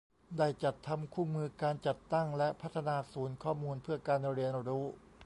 ได้จัดทำคู่มือการจัดตั้งและพัฒนาศูนย์ข้อมูลเพื่อการเรียนรู้